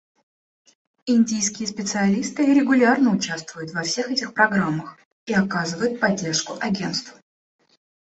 Индийские специалисты регулярно участвуют во всех этих программах и оказывают поддержку Агентству.